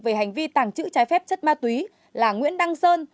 về hành vi tàng trữ trái phép chất ma túy là nguyễn đăng sơn